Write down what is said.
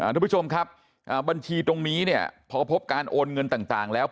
ทุกผู้ชมครับบัญชีตรงนี้เนี่ยพอพบการโอนเงินต่างแล้ว